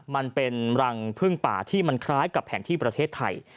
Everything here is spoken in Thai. มันเป็นรังพึ่งป่าที่มันคล้ายกับแผนที่ประเทศไทย